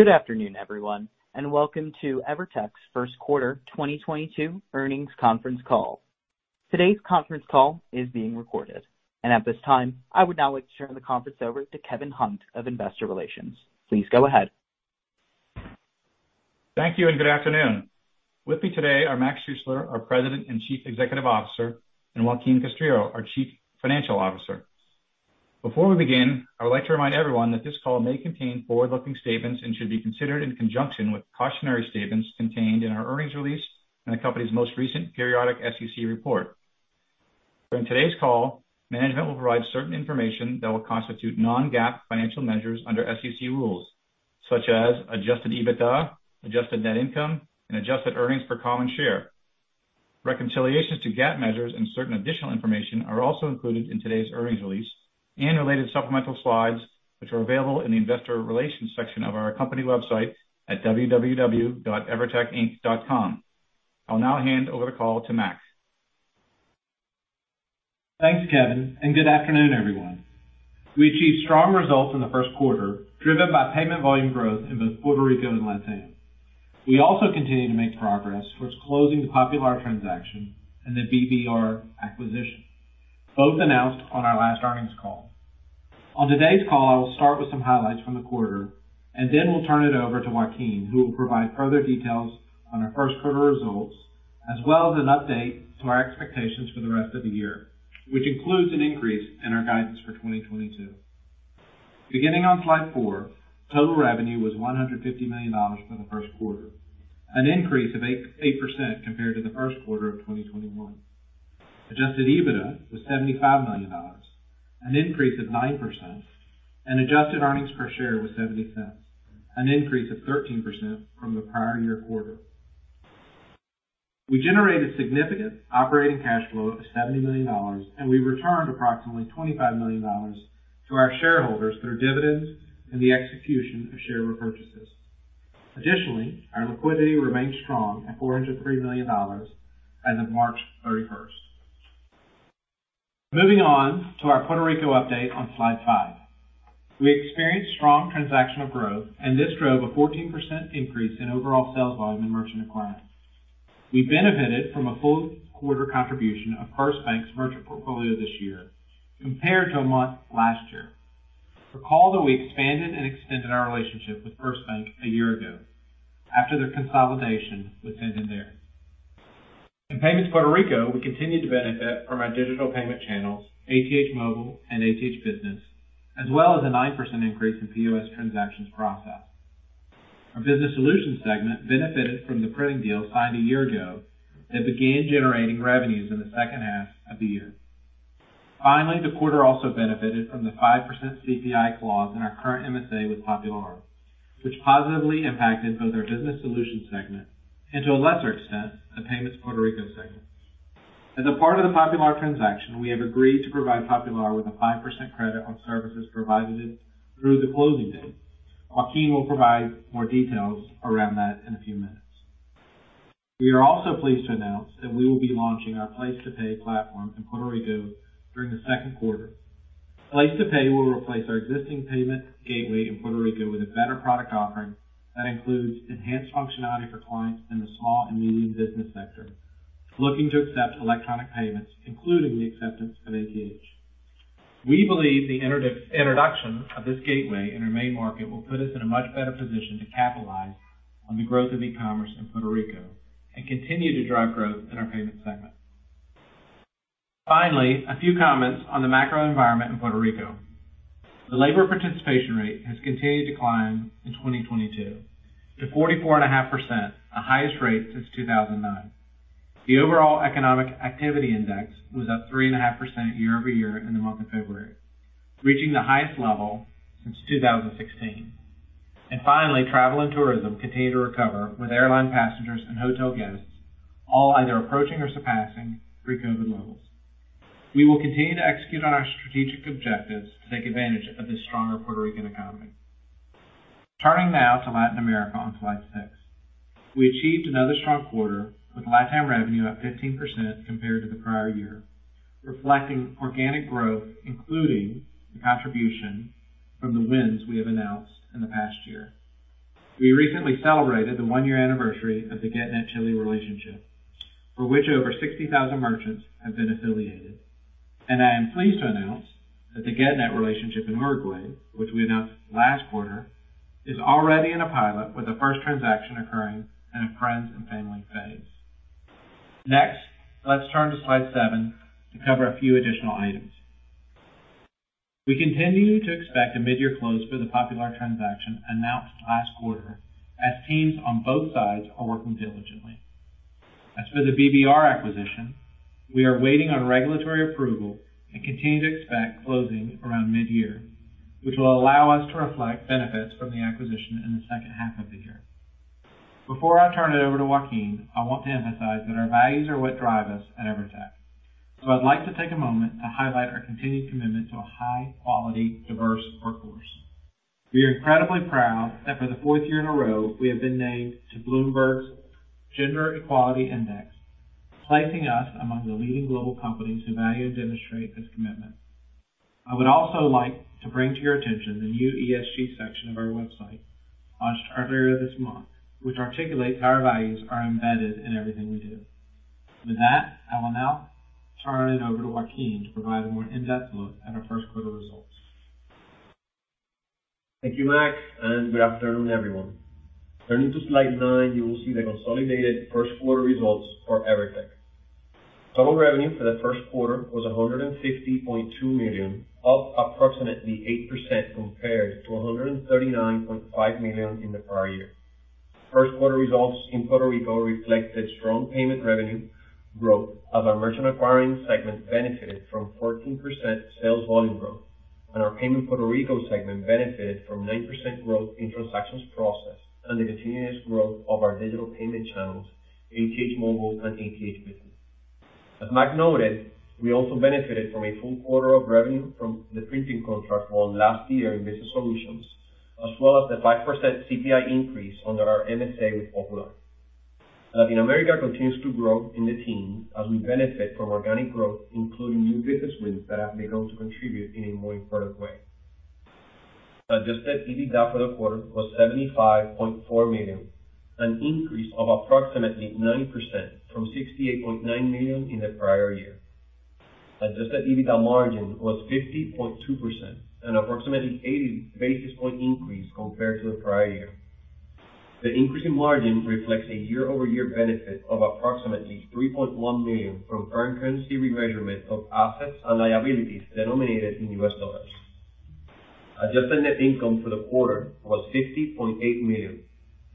Good afternoon, everyone, and welcome to EVERTEC's first quarter 2022 earnings conference call. Today's conference call is being recorded. At this time, I would now like to turn the conference over to Kevin Hunt of Investor Relations. Please go ahead. Thank you, and good afternoon. With me today are Mac Schuessler, our President and Chief Executive Officer, and Joaquin Castrillo, our Chief Financial Officer. Before we begin, I would like to remind everyone that this call may contain forward-looking statements and should be considered in conjunction with cautionary statements contained in our earnings release and the company's most recent periodic SEC report. During today's call, management will provide certain information that will constitute non-GAAP financial measures under SEC rules, such as adjusted EBITDA, adjusted net income, and adjusted earnings per common share. Reconciliations to GAAP measures and certain additional information are also included in today's earnings release and related supplemental slides, which are available in the investor relations section of our company website at www.evertecinc.com. I'll now hand over the call to Mac. Thanks, Kevin, and good afternoon, everyone. We achieved strong results in the first quarter, driven by payment volume growth in both Puerto Rico and Latin. We also continue to make progress towards closing the Popular transaction and the BBR acquisition, both announced on our last earnings call. On today's call, I will start with some highlights from the quarter, and then we'll turn it over to Joaquin, who will provide further details on our first quarter results, as well as an update to our expectations for the rest of the year, which includes an increase in our guidance for 2022. Beginning on slide 4, total revenue was $150 million for the first quarter, an increase of 8.8% compared to the first quarter of 2021. Adjusted EBITDA was $75 million, an increase of 9%, and adjusted earnings per share was $0.70, an increase of 13% from the prior-year quarter. We generated significant operating cash flow of $70 million, and we returned approximately $25 million to our shareholders through dividends and the execution of share repurchases. Additionally, our liquidity remains strong at $403 million as of March 31. Moving on to our Puerto Rico update on slide 5. We experienced strong transactional growth, and this drove a 14% increase in overall sales volume in merchant acquiring. We benefited from a full quarter contribution of FirstBank's merchant portfolio this year compared to a month last year. Recall that we expanded and extended our relationship with FirstBank a year ago after their consolidation with Santander. In Payments Puerto Rico, we continued to benefit from our digital payment channels, ATH Móvil and ATH Business, as well as a 9% increase in POS transactions processed. Our Business Solutions segment benefited from the printing deal signed a year ago that began generating revenues in the second half of the year. Finally, the quarter also benefited from the 5% CPI clause in our current MSA with Popular, which positively impacted both our Business Solutions segment and to a lesser extent, the Payments Puerto Rico segment. As a part of the Popular transaction, we have agreed to provide Popular with a 5% credit on services provided through the closing date. Joaquin will provide more details around that in a few minutes. We are also pleased to announce that we will be launching our PlacetoPay platform in Puerto Rico during the second quarter. PlacetoPay will replace our existing payment gateway in Puerto Rico with a better product offering that includes enhanced functionality for clients in the small and medium business sector looking to accept electronic payments, including the acceptance of ATH. We believe the introduction of this gateway in our main market will put us in a much better position to capitalize on the growth of e-commerce in Puerto Rico and continue to drive growth in our payment segment. Finally, a few comments on the macro environment in Puerto Rico. The labor participation rate has continued to climb in 2022 to 44.5%, the highest rate since 2009. The overall economic activity index was up 3.5% year-over-year in the month of February, reaching the highest level since 2016. Finally, travel and tourism continue to recover with airline passengers and hotel guests all either approaching or surpassing pre-COVID levels. We will continue to execute on our strategic objectives to take advantage of this stronger Puerto Rican economy. Turning now to Latin America on slide 6. We achieved another strong quarter with Latin revenue up 15% compared to the prior year, reflecting organic growth, including the contribution from the wins we have announced in the past year. We recently celebrated the 1-year anniversary of the Getnet Chile relationship, for which over 60,000 merchants have been affiliated. I am pleased to announce that the Getnet relationship in Uruguay, which we announced last quarter, is already in a pilot with the first transaction occurring in a friends and family phase. Next, let's turn to slide 7 to cover a few additional items. We continue to expect a mid-year close for the Popular transaction announced last quarter as teams on both sides are working diligently. As for the BBR acquisition, we are waiting on regulatory approval and continue to expect closing around mid-year, which will allow us to reflect benefits from the acquisition in the second half of the year. Before I turn it over to Joaquin, I want to emphasize that our values are what drive us at EVERTEC. I'd like to take a moment to highlight our continued commitment to a high-quality, diverse workforce. We are incredibly proud that for the fourth year in a row, we have been named to Bloomberg's Gender-Equality Index, placing us among the leading global companies who value and demonstrate this commitment. I would also like to bring to your attention the new ESG section of our website, launched earlier this month, which articulates how our values are embedded in everything we do. With that, I will now turn it over to Joaquin to provide a more in-depth look at our first quarter results. Thank you, Mac, and good afternoon, everyone. Turning to slide 9, you will see the consolidated first quarter results for EVERTEC. Total revenue for the first quarter was $150.2 million, up approximately 8% compared to $139.5 million in the prior year. First quarter results in Puerto Rico reflected strong payment revenue growth as our merchant acquiring segment benefited from 14% sales volume growth, and our Payments Puerto Rico segment benefited from 9% growth in transactions processed and the continuous growth of our digital payment channels, ATH Móvil and ATH Business. As Mac noted, we also benefited from a full quarter of revenue from the printing contract won last year in Business Solutions, as well as the 5% CPI increase under our MSA with Popular. Latin America continues to grow in the teens as we benefit from organic growth, including new business wins that have begun to contribute in a more important way. Adjusted EBITDA for the quarter was $75.4 million, an increase of approximately 9% from $68.9 million in the prior year. Adjusted EBITDA margin was 50.2%, an approximately 80 basis point increase compared to the prior year. The increase in margin reflects a year-over-year benefit of approximately $3.1 million from foreign currency remeasurement of assets and liabilities denominated in US dollars. Adjusted net income for the quarter was $60.8 million,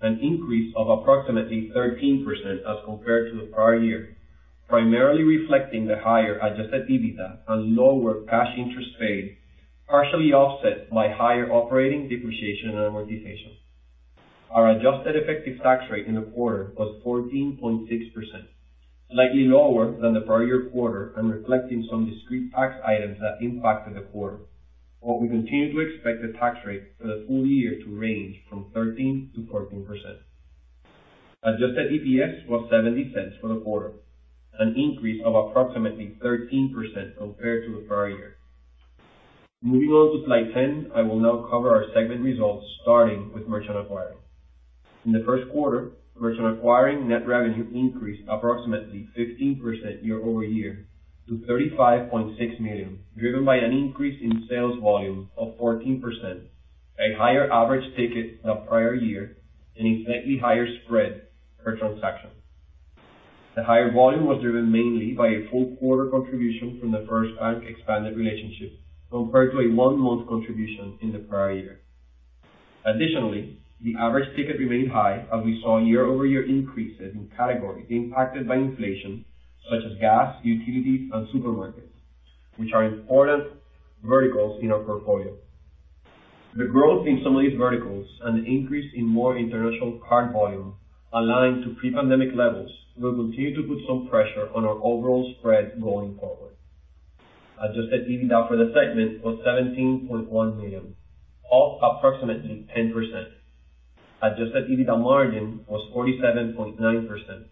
an increase of approximately 13% as compared to the prior year, primarily reflecting the higher adjusted EBITDA and lower cash interest paid, partially offset by higher operating depreciation and amortization. Our adjusted effective tax rate in the quarter was 14.6%, slightly lower than the prior year quarter and reflecting some discrete tax items that impacted the quarter, while we continue to expect the tax rate for the full year to range from 13%-14%. Adjusted EPS was $0.70 for the quarter, an increase of approximately 13% compared to the prior year. Moving on to slide 10, I will now cover our segment results, starting with merchant acquiring. In the first quarter, merchant acquiring net revenue increased approximately 15% year-over-year to $35.6 million, driven by an increase in sales volume of 14%, a higher average ticket than prior year, and a slightly higher spread per transaction. The higher volume was driven mainly by a full quarter contribution from the FirstBank expanded relationship compared to a one-month contribution in the prior year. Additionally, the average ticket remained high as we saw year-over-year increases in categories impacted by inflation such as gas, utilities, and supermarkets, which are important verticals in our portfolio. The growth in some of these verticals and the increase in more international card volume aligned to pre-pandemic levels will continue to put some pressure on our overall spread going forward. Adjusted EBITDA for the segment was $17.1 million, up approximately 10%. Adjusted EBITDA margin was 47.9%,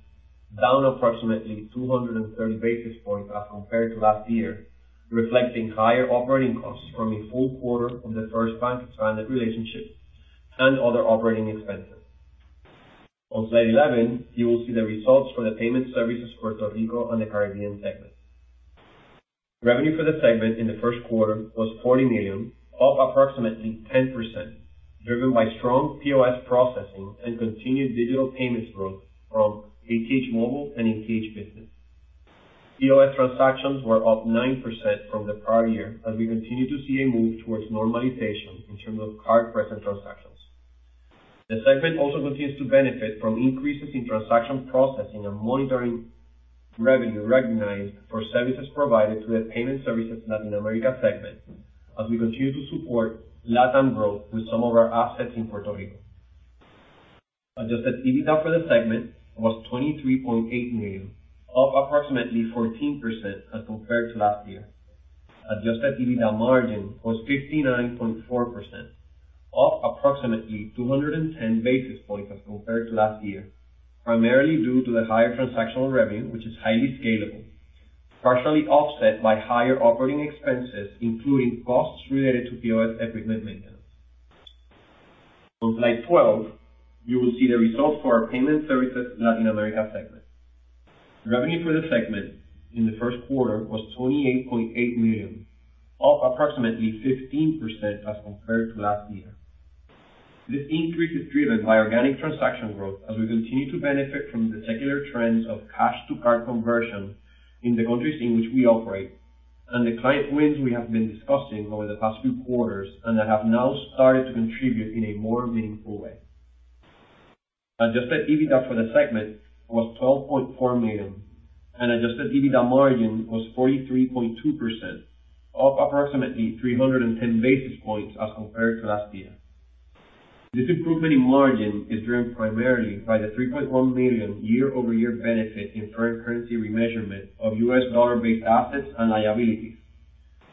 down approximately 230 basis points as compared to last year, reflecting higher operating costs from a full quarter of the FirstBank expanded relationship and other operating expenses. On slide eleven, you will see the results for the payment services Puerto Rico and the Caribbean segment. Revenue for the segment in the first quarter was $40 million, up approximately 10%, driven by strong POS processing and continued digital payments growth from ATH Móvil and ATH Business. POS transactions were up 9% from the prior year as we continue to see a move towards normalization in terms of card-present transactions. The segment also continues to benefit from increases in transaction processing and monitoring revenue recognized for services provided to the payment services Latin America segment as we continue to support LatAm growth with some of our assets in Puerto Rico. Adjusted EBITDA for the segment was $23.8 million, up approximately 14% as compared to last year. Adjusted EBITDA margin was 59.4%, up approximately 210 basis points as compared to last year, primarily due to the higher transactional revenue, which is highly scalable, partially offset by higher operating expenses, including costs related to POS equipment maintenance. On slide 12, you will see the results for our payment services Latin America segment. Revenue for the segment in the first quarter was $28.8 million, up approximately 15% as compared to last year. This increase is driven by organic transaction growth as we continue to benefit from the secular trends of cash-to-card conversion in the countries in which we operate and the client wins we have been discussing over the past few quarters and that have now started to contribute in a more meaningful way. Adjusted EBITDA for the segment was $12.4 million, and adjusted EBITDA margin was 43.2%, up approximately 310 basis points as compared to last year. This improvement in margin is driven primarily by the $3.1 million year-over-year benefit in foreign currency remeasurement of US dollar-based assets and liabilities,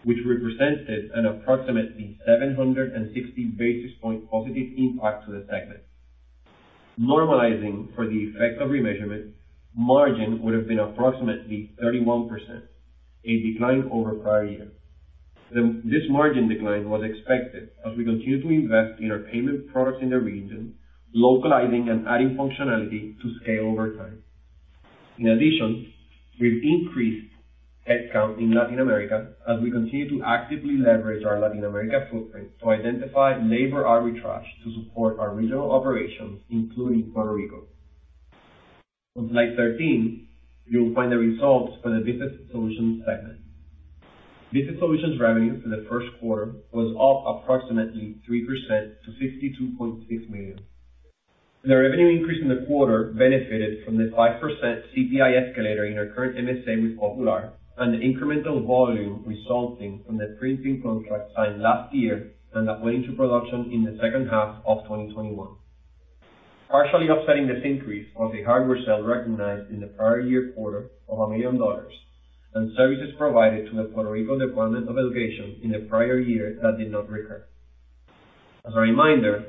which represented an approximately 760 basis point positive impact to the segment. Normalizing for the effect of remeasurement, margin would have been approximately 31%, a decline over prior year. This margin decline was expected as we continue to invest in our payment products in the region, localizing and adding functionality to scale over time. In addition, we've increased headcount in Latin America as we continue to actively leverage our Latin America footprint to identify labor arbitrage to support our regional operations, including Puerto Rico. On slide 13, you will find the results for the Business Solutions segment. Business Solutions revenue for the first quarter was up approximately 3% to $62.6 million. The revenue increase in the quarter benefited from the 5% CPI escalator in our current MSA with Popular and the incremental volume resulting from the printing contract signed last year and that went into production in the second half of 2021. Partially offsetting this increase was a hardware sale recognized in the prior year quarter of $1 million and services provided to the Puerto Rico Department of Education in the prior year that did not recur. As a reminder,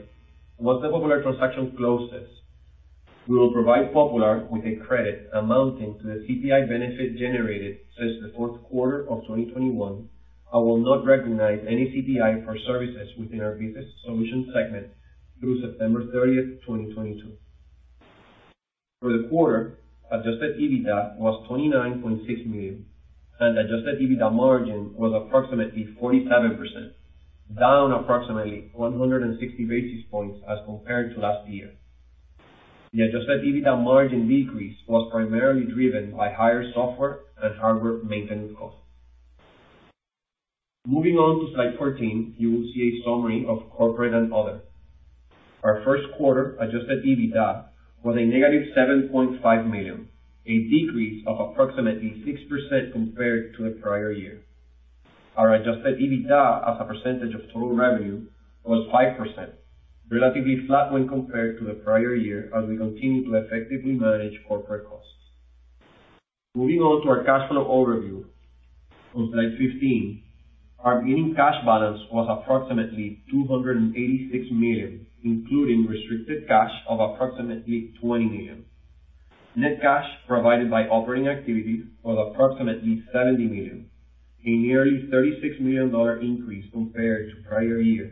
once the Popular transaction closes, we will provide Popular with a credit amounting to the CPI benefit generated since the fourth quarter of 2021, and will not recognize any CPI for services within our Business Solutions segment through September 30, 2022. For the quarter, adjusted EBITDA was $29.6 million, and adjusted EBITDA margin was approximately 47%, down approximately 160 basis points as compared to last year. The adjusted EBITDA margin decrease was primarily driven by higher software and hardware maintenance costs. Moving on to slide 14, you will see a summary of corporate and other. Our first quarter adjusted EBITDA was -$7.5 million, a decrease of approximately 6% compared to the prior year. Our adjusted EBITDA as a percentage of total revenue was 5%, relatively flat when compared to the prior year as we continue to effectively manage corporate costs. Moving on to our cash flow overview. On slide 15, our beginning cash balance was approximately $286 million, including restricted cash of approximately $20 million. Net cash provided by operating activities was approximately $70 million, a nearly $36 million increase compared to prior year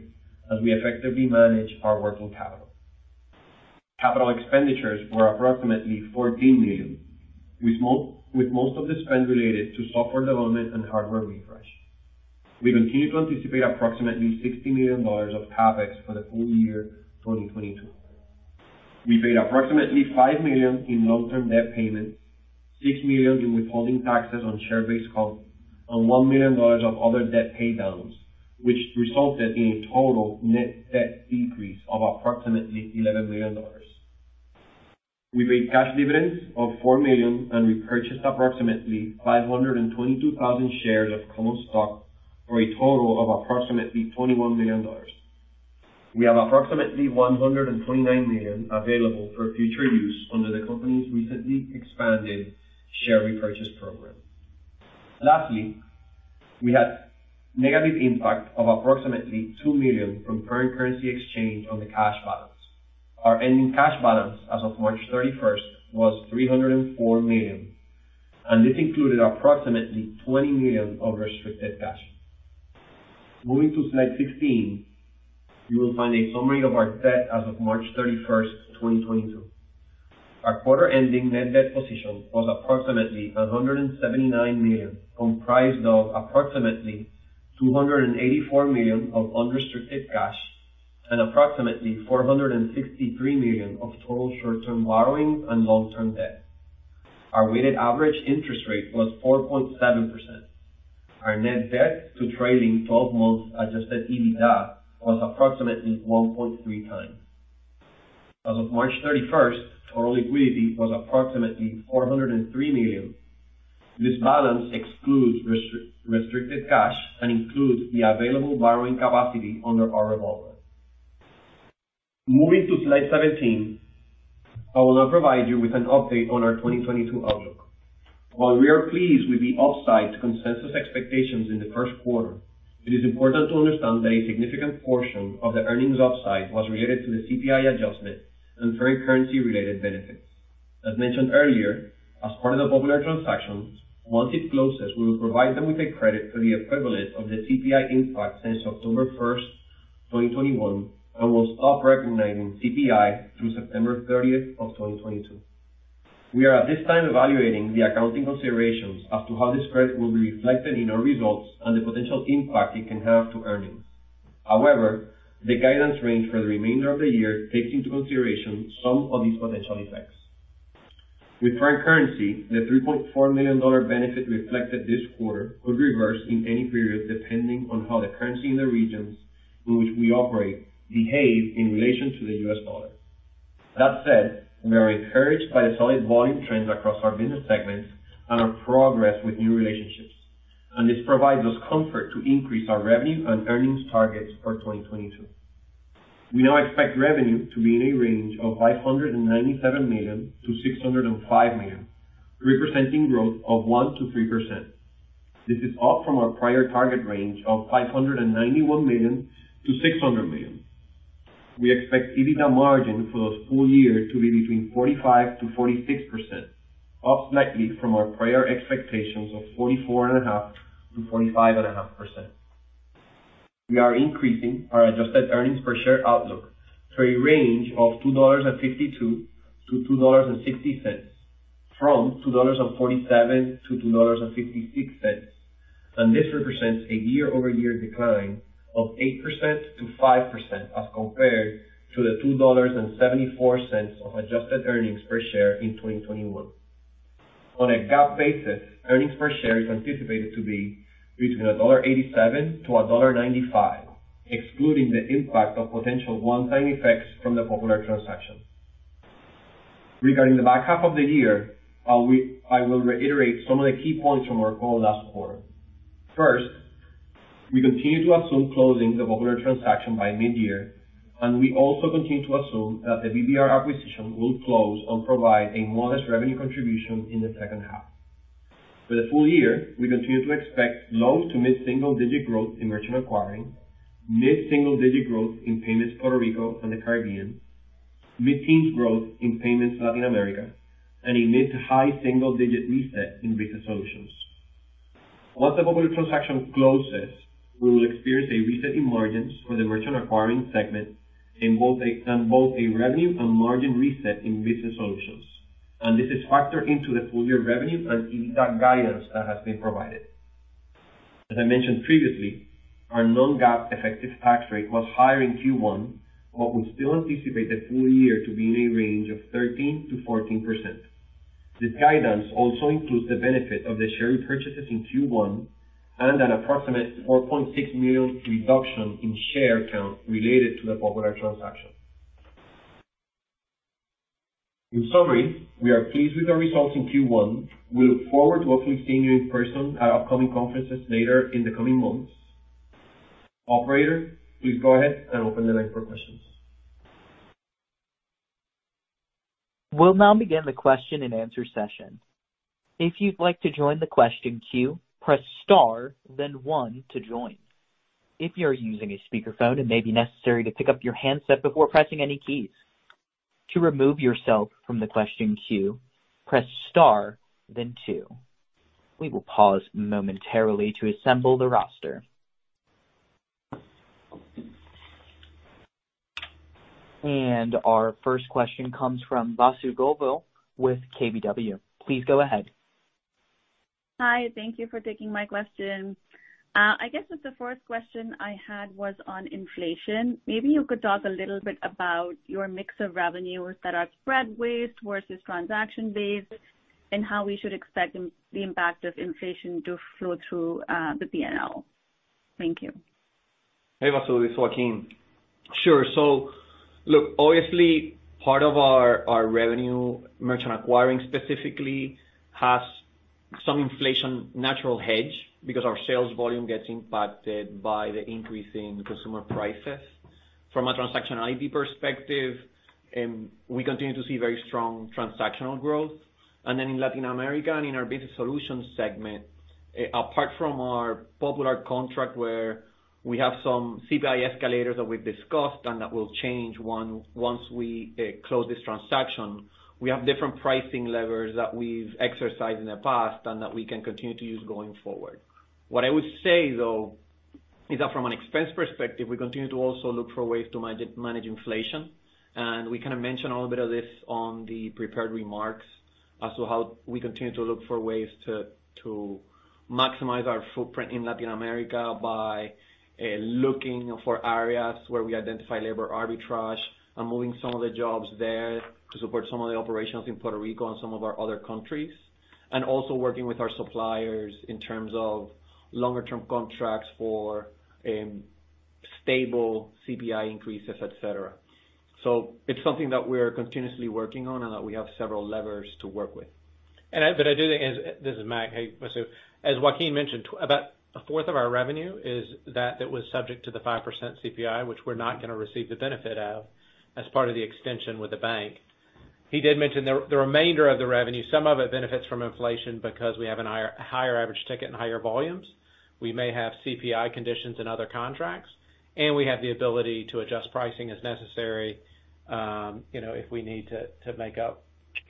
as we effectively manage our working capital. Capital expenditures were approximately $14 million. With most of the spend related to software development and hardware refresh. We continue to anticipate approximately $60 million of CapEx for the full year 2022. We paid approximately $5 million in long-term debt payments, $6 million in withholding taxes on share-based comp, and $1 million of other debt pay downs, which resulted in a total net debt decrease of approximately $11 million. We paid cash dividends of $4 million and repurchased approximately 522,000 shares of common stock for a total of approximately $21 million. We have approximately $129 million available for future use under the company's recently expanded share repurchase program. Lastly, we had negative impact of approximately $2 million from foreign currency exchange on the cash balance. Our ending cash balance as of March 31 was $304 million, and this included approximately $20 million of restricted cash. Moving to slide 16, you will find a summary of our debt as of March 31, 2022. Our quarter-ending net debt position was approximately $179 million, comprised of approximately $284 million of unrestricted cash and approximately $463 million of total short-term borrowings and long-term debt. Our weighted average interest rate was 4.7%. Our net debt to trailing twelve-months adjusted EBITDA was approximately 1.3x. As of March 31, total liquidity was approximately $403 million. This balance excludes restricted cash and includes the available borrowing capacity under our revolver. Moving to slide 17, I will now provide you with an update on our 2022 outlook. While we are pleased with the upside to consensus expectations in the first quarter, it is important to understand that a significant portion of the earnings upside was related to the CPI adjustment and foreign currency-related benefits. As mentioned earlier, as part of the Popular transaction, once it closes, we will provide them with a credit for the equivalent of the CPI impact since October 1, 2021, and will stop recognizing CPI through September 30, 2022. We are at this time evaluating the accounting considerations as to how this credit will be reflected in our results and the potential impact it can have to earnings. However, the guidance range for the remainder of the year takes into consideration some of these potential effects. With foreign currency, the $3.4 million benefit reflected this quarter could reverse in any period, depending on how the currency in the regions in which we operate behave in relation to the US dollar. That said, we are encouraged by the solid volume trends across our business segments and our progress with new relationships. This provides us comfort to increase our revenue and earnings targets for 2022. We now expect revenue to be in a range of $597 million-$605 million, representing growth of 1%-3%. This is up from our prior target range of $591 million-$600 million. We expect EBITDA margin for the full year to be between 45%-46%, up slightly from our prior expectations of 44.5%-45.5%. We are increasing our adjusted earnings per share outlook to a range of $2.52-$2.60 from $2.47-$2.56. This represents a year-over-year decline of 8%-5% as compared to the $2.74 of adjusted earnings per share in 2021. On a GAAP basis, earnings per share is anticipated to be between $1.87-$1.95, excluding the impact of potential one-time effects from the Popular transaction. Regarding the back half of the year, I will reiterate some of the key points from our call last quarter. First, we continue to assume closing the Popular transaction by mid-year, and we also continue to assume that the BBR acquisition will close and provide a modest revenue contribution in the second half. For the full year, we continue to expect low- to mid-single-digit growth in merchant acquiring, mid-single-digit growth in payments Puerto Rico and the Caribbean, mid-teens growth in payments Latin America, and a mid- to high single-digit reset in business solutions. Once the Popular transaction closes, we will experience a reset in margins for the merchant acquiring segment and both a revenue and margin reset in business solutions. This is factored into the full-year revenue and EBITDA guidance that has been provided. As I mentioned previously, our non-GAAP effective tax rate was higher in Q1, but we still anticipate the full year to be in a range of 13%-14%. This guidance also includes the benefit of the share repurchases in Q1 and an approximate 4.6 million reduction in share count related to the Popular transaction. In summary, we are pleased with our results in Q1. We look forward to hopefully seeing you in person at upcoming conferences later in the coming months. Operator, please go ahead and open the line for questions. We'll now begin the question-and-answer session. If you'd like to join the question queue, press star then one to join. If you're using a speakerphone, it may be necessary to pick up your handset before pressing any keys. To remove yourself from the question queue, press star then two. We will pause momentarily to assemble the roster. Our first question comes from Vasu Govil with KBW. Please go ahead. Hi, thank you for taking my question. I guess that the first question I had was on inflation. Maybe you could talk a little bit about your mix of revenues that are spread-based versus transaction-based, and how we should expect the impact of inflation to flow through, the P&L. Thank you. Hey, Vasu. It's Joaquin. Sure. Look, obviously part of our revenue merchant acquiring specifically has some inflationary natural hedge because our sales volume gets impacted by the increase in consumer prices. From a transactional perspective, we continue to see very strong transactional growth. In Latin America and in our business solutions segment, apart from our Popular contract where we have some CPI escalators that we've discussed and that will change once we close this transaction, we have different pricing levers that we've exercised in the past and that we can continue to use going forward. What I would say though is that from an expense perspective, we continue to also look for ways to manage inflation. We kind of mentioned a little bit of this on the prepared remarks as to how we continue to look for ways to maximize our footprint in Latin America by looking for areas where we identify labor arbitrage and moving some of the jobs there to support some of the operations in Puerto Rico and some of our other countries. Working with our suppliers in terms of longer term contracts for stable CPI increases, et cetera. It's something that we're continuously working on and that we have several levers to work with. This is Mac. Hey, Vasu. As Joaquin mentioned, about a fourth of our revenue is that that was subject to the 5% CPI, which we're not gonna receive the benefit of as part of the extension with the bank. He did mention the remainder of the revenue, some of it benefits from inflation because we have a higher average ticket and higher volumes. We may have CPI conditions in other contracts, and we have the ability to adjust pricing as necessary, you know, if we need to make up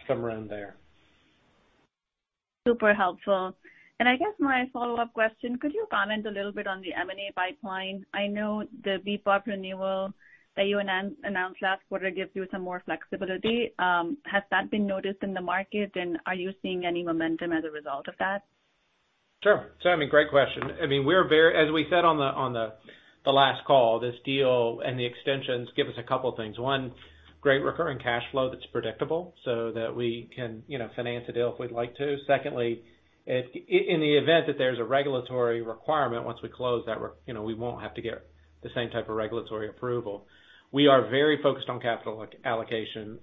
some room there. Super helpful. I guess my follow-up question, could you comment a little bit on the M&A pipeline? I know the BPOP renewal that you announced last quarter gives you some more flexibility. Has that been noticed in the market? Are you seeing any momentum as a result of that? Sure. I mean, great question. I mean, we're very. As we said on the last call, this deal and the extensions give us a couple things. One, great recurring cash flow that's predictable so that we can, you know, finance a deal if we'd like to. Secondly, if in the event that there's a regulatory requirement once we close that, you know, we won't have to get the same type of regulatory approval. We are very focused on capital allocation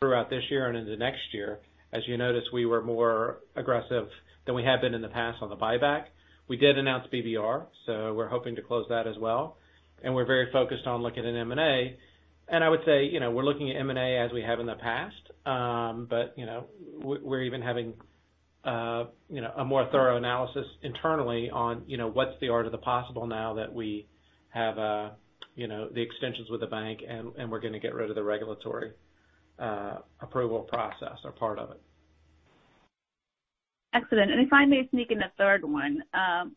throughout this year and into next year. As you noticed, we were more aggressive than we had been in the past on the buyback. We did announce BBR, so we're hoping to close that as well. We're very focused on looking at M&A. I would say, you know, we're looking at M&A as we have in the past. You know, we're even having you know, a more thorough analysis internally on, you know, what's the art of the possible now that we have, you know, the extensions with the bank and we're gonna get rid of the regulatory approval process or part of it. Excellent. If I may sneak in a third one.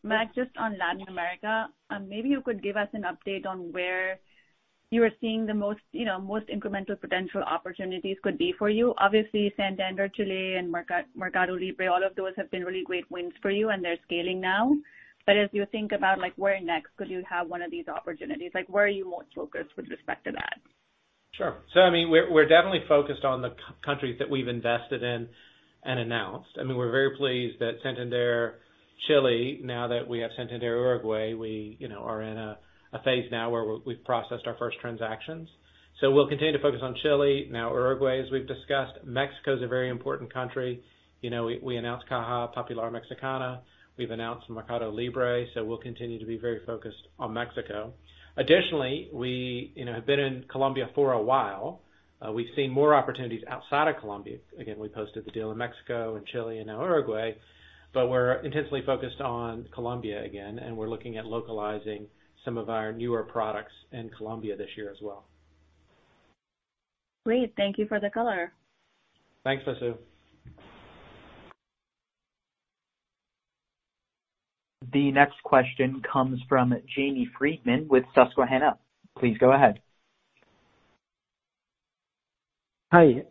Mac, just on Latin America, maybe you could give us an update on where you are seeing the most you know incremental potential opportunities could be for you. Obviously, Santander Chile and Mercado Libre, all of those have been really great wins for you, and they're scaling now. As you think about like, where next could you have one of these opportunities? Like, where are you most focused with respect to that? I mean, we're definitely focused on the core countries that we've invested in and announced. I mean, we're very pleased that Santander Chile, now that we have Santander Uruguay, you know, are in a phase now where we've processed our first transactions. We'll continue to focus on Chile, now Uruguay, as we've discussed. Mexico is a very important country. You know, we announced Caja Popular Mexicana. We've announced Mercado Libre, so we'll continue to be very focused on Mexico. Additionally, you know, we have been in Colombia for a while. We've seen more opportunities outside of Colombia. Again, we posted the deal in Mexico and Chile and now Uruguay. We're intensely focused on Colombia again, and we're looking at localizing some of our newer products in Colombia this year as well. Great. Thank you for the color. Thanks, Vasu. The next question comes from Jamie Friedman with Susquehanna. Please go ahead. Hi.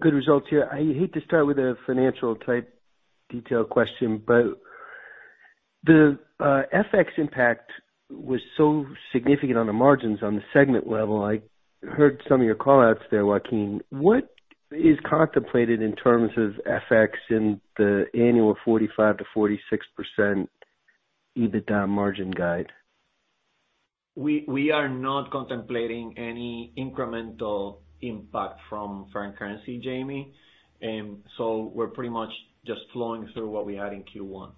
Good results here. I hate to start with a financial type detail question, but the FX impact was so significant on the margins on the segment level. I heard some of your call-outs there, Joaquin. What is contemplated in terms of FX in the annual 45%-46% EBITDA margin guide? We are not contemplating any incremental impact from foreign currency, Jamie. So we're pretty much just flowing through what we had in Q1.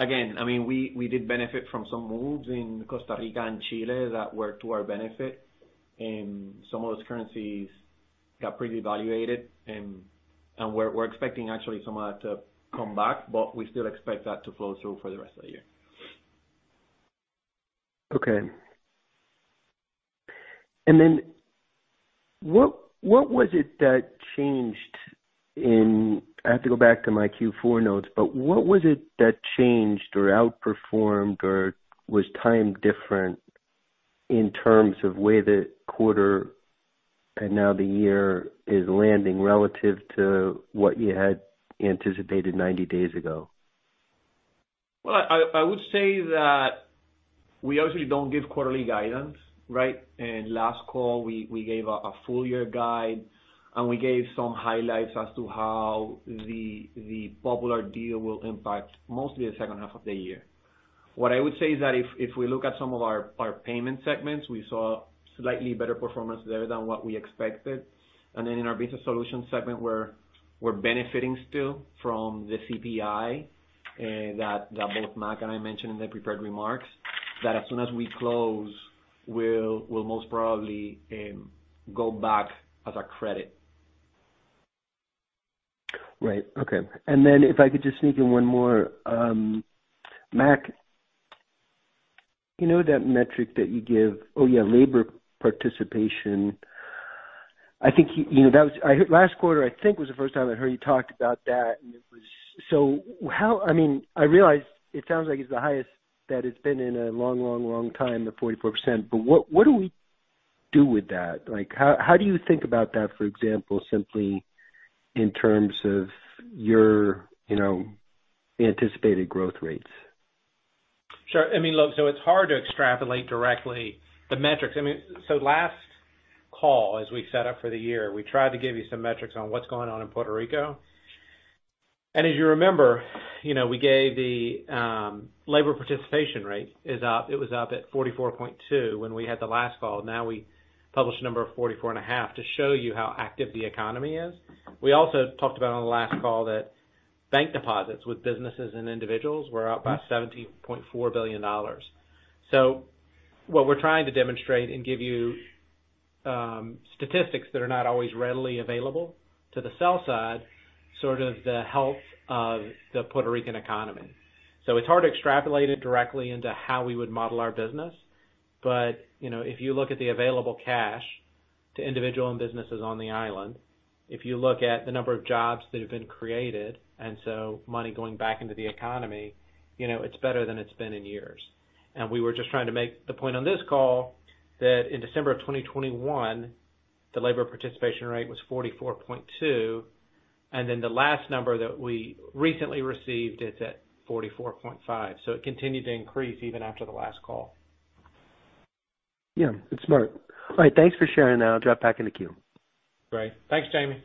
Again, I mean, we did benefit from some moves in Costa Rica and Chile that were to our benefit, and some of those currencies got pretty devalued. We're expecting actually some of that to come back, but we still expect that to flow through for the rest of the year. Okay. What was it that changed? I have to go back to my Q4 notes, but what was it that changed or outperformed or was timed different in terms of the way the quarter and now the year is landing relative to what you had anticipated 90 days ago? Well, I would say that we obviously don't give quarterly guidance, right? Last call, we gave a full year guide, and we gave some highlights as to how the Popular deal will impact mostly the second half of the year. What I would say is that if we look at some of our payment segments, we saw slightly better performance there than what we expected. Then in our business solutions segment, we're benefiting still from the CPI that both Mack and I mentioned in the prepared remarks, that as soon as we close, we'll most probably go back as a credit. Right. Okay. If I could just sneak in one more. Mac, you know that metric that you give. Oh, yeah, labor participation. I think you know, I heard last quarter, I think, was the first time I heard you talk about that. I mean, I realize it sounds like it's the highest that it's been in a long, long, long time, the 44%, but what do we do with that? Like, how do you think about that, for example, simply in terms of your, you know, anticipated growth rates? Sure. I mean, look, it's hard to extrapolate directly the metrics. I mean, last call, as we set up for the year, we tried to give you some metrics on what's going on in Puerto Rico. As you remember, you know, we gave the labor participation rate is up. It was up at 44.2 when we had the last call. Now we published a number of 44.5 to show you how active the economy is. We also talked about on the last call that bank deposits with businesses and individuals were up by $70.4 billion. What we're trying to demonstrate and give you statistics that are not always readily available to the sell side, sort of the health of the Puerto Rican economy. It's hard to extrapolate it directly into how we would model our business. You know, if you look at the available cash to individual and businesses on the island, if you look at the number of jobs that have been created, and so money going back into the economy, you know, it's better than it's been in years. We were just trying to make the point on this call that in December of 2021, the labor participation rate was 44.2, and then the last number that we recently received is at 44.5. It continued to increase even after the last call. Yeah, it's smart. All right. Thanks for sharing. I'll drop back in the queue. Great. Thanks, Jamie.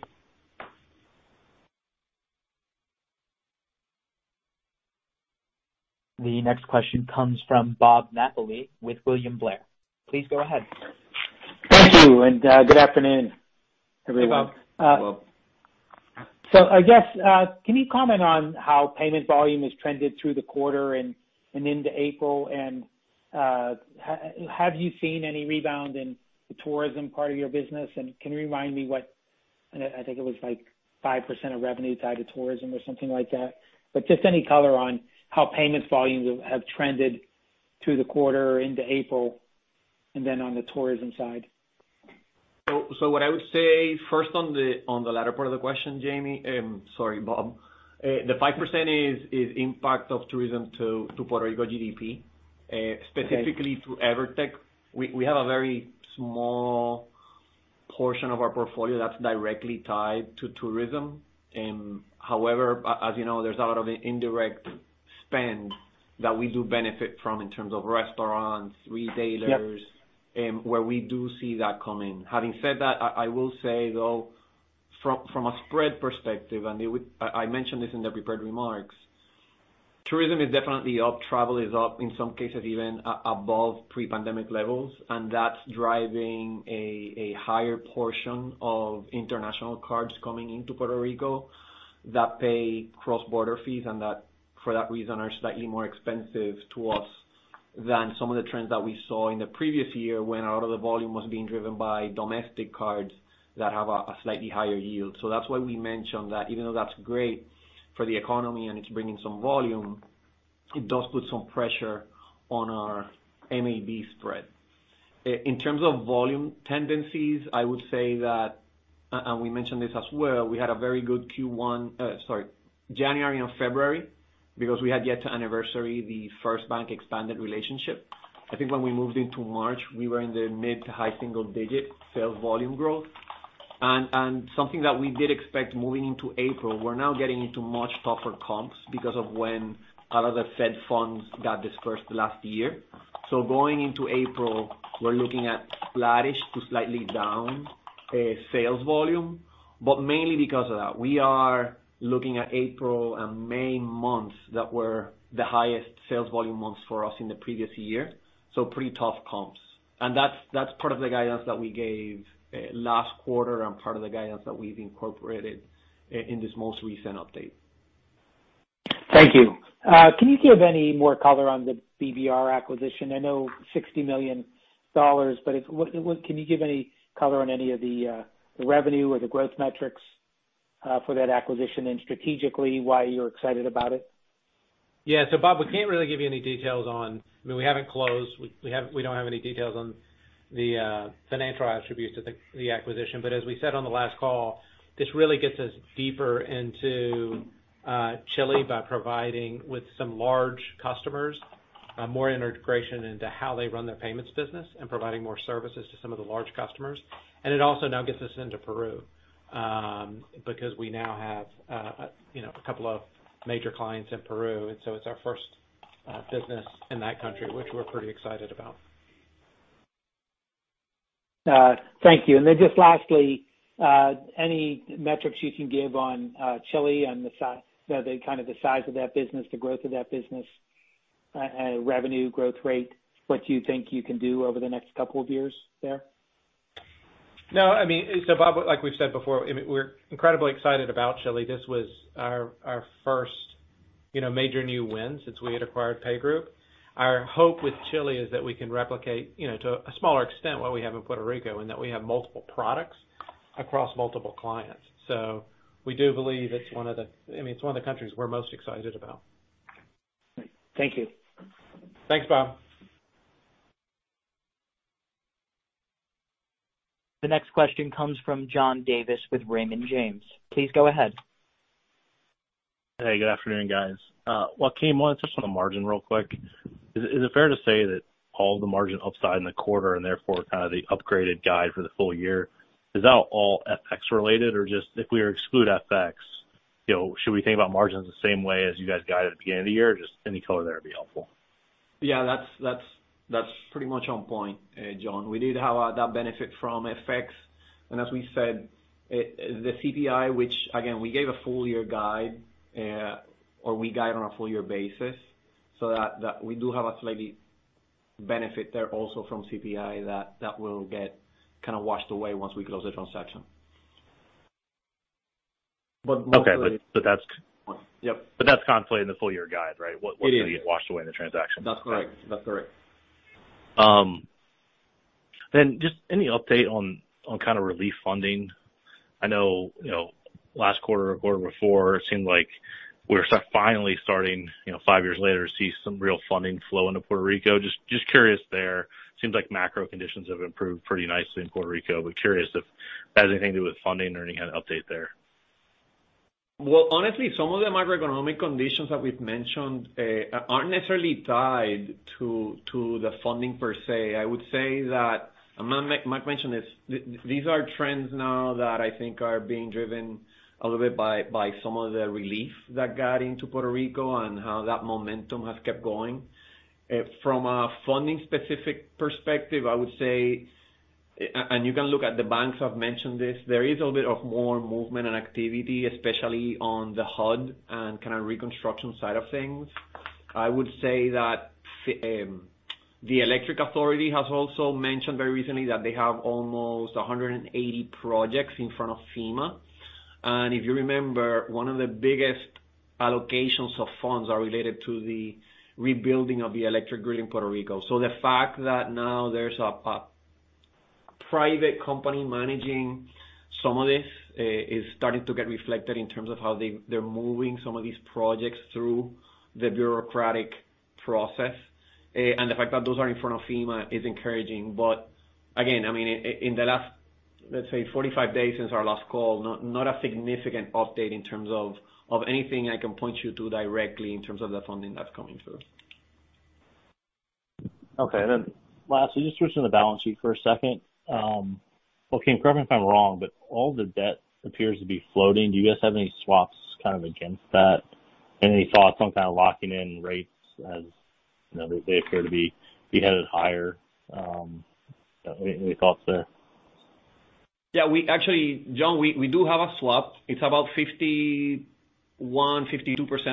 The next question comes from Bob Napoli with William Blair. Please go ahead. Thank you, and, good afternoon, everyone. Hi, Bob. Bob. I guess, can you comment on how payment volume has trended through the quarter and into April and have you seen any rebound in the tourism part of your business? Can you remind me what. I think it was like 5% of revenue tied to tourism or something like that. Just any color on how payment volumes have trended through the quarter into April and then on the tourism side. what I would say first on the latter part of the question, Jamie, sorry, Bob. The 5% is impact of tourism to Puerto Rico GDP. Okay. Specifically to EVERTEC, we have a very small portion of our portfolio that's directly tied to tourism. However, as you know, there's a lot of indirect spend that we do benefit from in terms of restaurants, retailers. Yep. Where we do see that coming. Having said that, I will say though, from a spread perspective, it would—I mentioned this in the prepared remarks. Tourism is definitely up, travel is up, in some cases even above pre-pandemic levels. That's driving a higher portion of international cards coming into Puerto Rico that pay cross-border fees and that—for that reason are slightly more expensive to us than some of the trends that we saw in the previous year when a lot of the volume was being driven by domestic cards that have a slightly higher yield. That's why we mentioned that even though that's great for the economy and it's bringing some volume, it does put some pressure on our MEB spread. In terms of volume tendencies, I would say that, and we mentioned this as well, we had a very good Q1, January and February because we had yet to anniversary the FirstBank expanded relationship. I think when we moved into March, we were in the mid- to high-single-digit sales volume growth. Something that we did expect moving into April, we're now getting into much tougher comps because of when a lot of the Fed funds got dispersed last year. Going into April, we're looking at flattish to slightly down sales volume. Mainly because of that. We are looking at April and May months that were the highest sales volume months for us in the previous year. Pretty tough comps. That's part of the guidance that we gave last quarter and part of the guidance that we've incorporated in this most recent update. Thank you. Can you give any more color on the BBR acquisition? I know $60 million, but can you give any color on any of the revenue or the growth metrics for that acquisition and strategically why you're excited about it? Yeah. Bob, we can't really give you any details on. I mean, we haven't closed. We don't have any details on the financial attributes to the acquisition. But as we said on the last call, this really gets us deeper into Chile by providing with some large customers more integration into how they run their payments business and providing more services to some of the large customers. It also now gets us into Peru because we now have you know a couple of major clients in Peru. It's our first business in that country, which we're pretty excited about. Thank you. Just lastly, any metrics you can give on Chile and the size of that business, the growth of that business, revenue growth rate? What do you think you can do over the next couple of years there? No, I mean, so Bob, like we've said before, I mean, we're incredibly excited about Chile. This was our first, you know, major new win since we had acquired PayGroup. Our hope with Chile is that we can replicate, you know, to a smaller extent, what we have in Puerto Rico, in that we have multiple products across multiple clients. We do believe it's one of the, I mean, it's one of the countries we're most excited about. Thank you. Thanks, Bob. The next question comes from John Davis with Raymond James. Please go ahead. Hey, good afternoon, guys. Joaquin, one just on the margin real quick. Is it fair to say that all the margin upside in the quarter and therefore kind of the upgraded guide for the full year, is that all FX related? Or just if we exclude FX, you know, should we think about margins the same way as you guys guided at the beginning of the year? Just any color there would be helpful. Yeah, that's pretty much on point, John. We did have that benefit from FX. As we said, the CPI, which again, we gave a full year guide, or we guide on a full year basis so that we do have a slight benefit there also from CPI that will get kind of washed away once we close the transaction. But mostly- Okay. Yep. That's constantly in the full year guide, right? It is. What do you get washed away in the transaction? That's correct. Just any update on kind of relief funding? I know, you know, last quarter or quarter before, it seemed like we're finally starting, you know, five years later to see some real funding flow into Puerto Rico. Just curious there. Seems like macro conditions have improved pretty nicely in Puerto Rico, but curious if it has anything to do with funding or any kind of update there. Well, honestly, some of the macroeconomic conditions that we've mentioned aren't necessarily tied to the funding per se. I would say that, and Mike mentioned this, these are trends now that I think are being driven a little bit by some of the relief that got into Puerto Rico and how that momentum has kept going. From a funding specific perspective, I would say, and you can look at the banks have mentioned this, there is a little bit more movement and activity, especially on the HUD and kind of reconstruction side of things. I would say that the electric authority has also mentioned very recently that they have almost 180 projects in front of FEMA. If you remember, one of the biggest allocations of funds are related to the rebuilding of the electric grid in Puerto Rico. The fact that now there's a private company managing some of this is starting to get reflected in terms of how they're moving some of these projects through the bureaucratic process. The fact that those are in front of FEMA is encouraging. Again, I mean, in the last, let's say 45 days since our last call, not a significant update in terms of anything I can point you to directly in terms of the funding that's coming through. Okay. Lastly, just switching to the balance sheet for a second. Okay, correct me if I'm wrong, but all the debt appears to be floating. Do you guys have any swaps kind of against that? Any thoughts on kind of locking in rates as, you know, they appear to be headed higher? Any thoughts there? Yeah, we actually, John, we do have a swap. It's about 51%-52%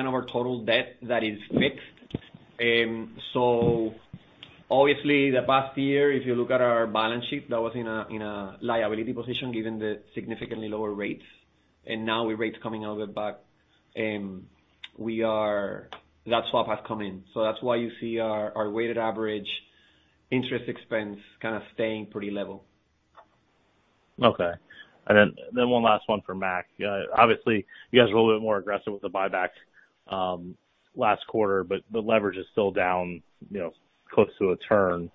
of our total debt that is fixed. Obviously, the past year, if you look at our balance sheet, that was in a liability position given the significantly lower rates. Now with rates coming out of it back, that swap has come in. That's why you see our weighted average interest expense kind of staying pretty level. Okay. One last one for Mac. Obviously you guys are a little bit more aggressive with the buyback last quarter, but the leverage is still down, you know, close to a turn.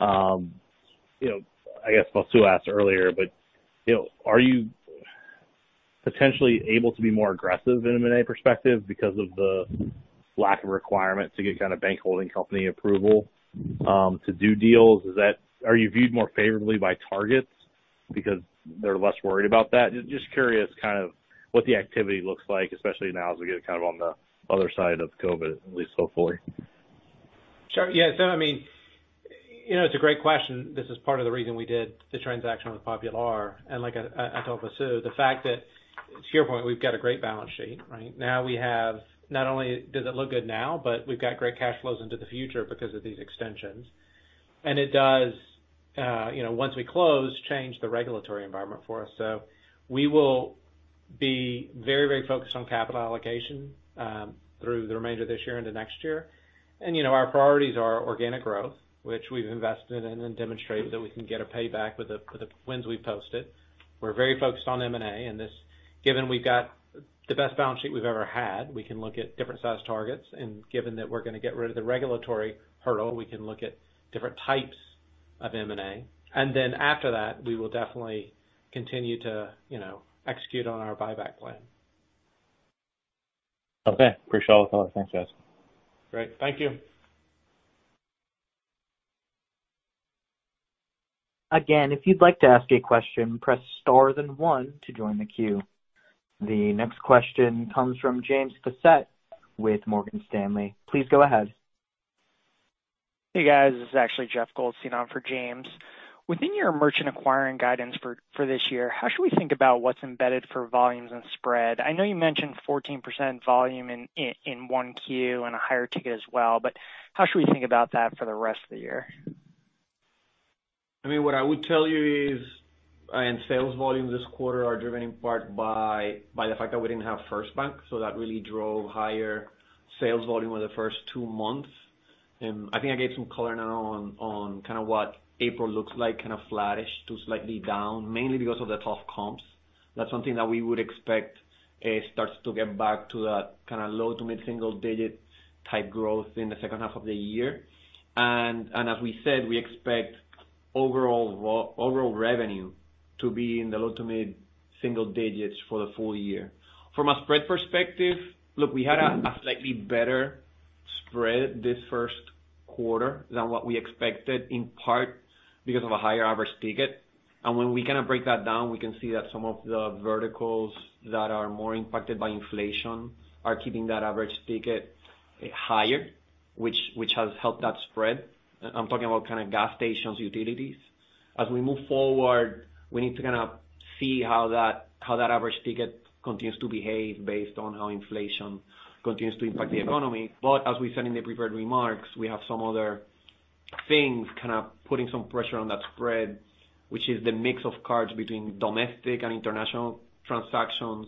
You know, I guess Vasu asked earlier, but you know, are you potentially able to be more aggressive in M&A perspective because of the lack of requirement to get kind of bank holding company approval to do deals? Are you viewed more favorably by targets because they're less worried about that? Just curious kind of what the activity looks like, especially now as we get kind of on the other side of COVID, at least hopefully. Sure. Yeah. I mean, you know, it's a great question. This is part of the reason we did the transaction with Popular. Like I told Vasu, the fact that to your point, we've got a great balance sheet, right? Not only does it look good now, but we've got great cash flows into the future because of these extensions. It does, you know, once we close, change the regulatory environment for us. We will be very, very focused on capital allocation through the remainder of this year into next year. You know, our priorities are organic growth, which we've invested in and demonstrated that we can get a payback with the wins we've posted. We're very focused on M&A, and given we've got the best balance sheet we've ever had, we can look at different size targets. Given that we're gonna get rid of the regulatory hurdle, we can look at different types of M&A. After that, we will definitely continue to, you know, execute on our buyback plan. Okay. Appreciate all the color. Thanks, guys. Great. Thank you. Again, if you'd like to ask a question, press star then one to join the queue. The next question comes from James Faucette with Morgan Stanley. Please go ahead. Hey, guys. This is actually Jeff Goldstein on for James. Within your merchant acquiring guidance for this year, how should we think about what's embedded for volumes and spread? I know you mentioned 14% volume in one Q and a higher ticket as well, but how should we think about that for the rest of the year? I mean, what I would tell you is, sales volume this quarter are driven in part by the fact that we didn't have FirstBank, so that really drove higher sales volume over the first two months. I think I gave some color now on kind of what April looks like, kind of flattish to slightly down, mainly because of the tough comps. That's something that we would expect, starts to get back to that kinda low- to mid-single-digit type growth in the second half of the year. As we said, we expect overall revenue to be in the low- to mid-single digits for the full year. From a spread perspective, look, we had a slightly better spread this first quarter than what we expected, in part because of a higher average ticket. When we kind of break that down, we can see that some of the verticals that are more impacted by inflation are keeping that average ticket higher, which has helped that spread. I'm talking about kind of gas stations, utilities. As we move forward, we need to kind of see how that average ticket continues to behave based on how inflation continues to impact the economy. As we said in the prepared remarks, we have some other things kind of putting some pressure on that spread, which is the mix of cards between domestic and international transactions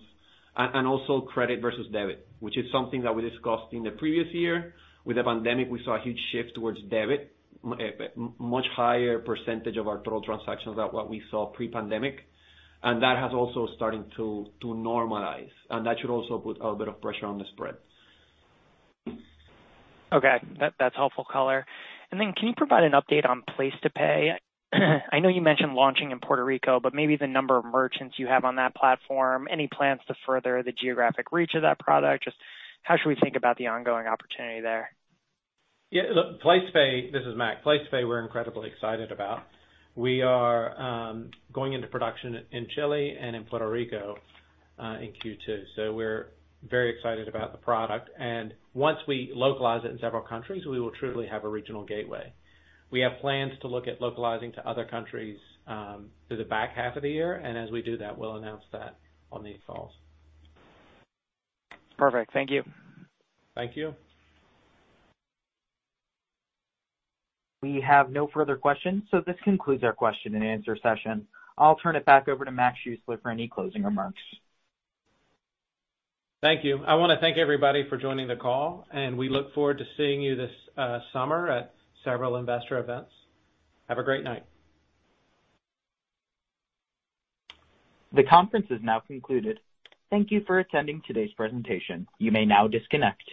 and also credit versus debit, which is something that we discussed in the previous year. With the pandemic, we saw a huge shift towards debit, much higher percentage of our total transactions than what we saw pre-pandemic. That has also starting to normalize, and that should also put a bit of pressure on the spread. Okay. That's helpful color. Can you provide an update on PlacetoPay? I know you mentioned launching in Puerto Rico, but maybe the number of merchants you have on that platform, any plans to further the geographic reach of that product, just how should we think about the ongoing opportunity there? Yeah, look, PlacetoPay. This is Mac. PlacetoPay, we're incredibly excited about. We are going into production in Chile and in Puerto Rico in Q2. So we're very excited about the product. Once we localize it in several countries, we will truly have a regional gateway. We have plans to look at localizing to other countries through the back half of the year. As we do that, we'll announce that on these calls. Perfect. Thank you. Thank you. We have no further questions, so this concludes our question and answer session. I'll turn it back over to Mac Schuessler for any closing remarks. Thank you. I wanna thank everybody for joining the call, and we look forward to seeing you this summer at several investor events. Have a great night. The conference is now concluded. Thank you for attending today's presentation. You may now disconnect.